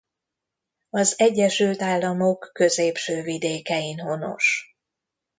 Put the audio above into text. Az Egyesült Államok középső vidékein honos.